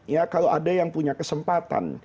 ya kalau ada yang punya kesempatan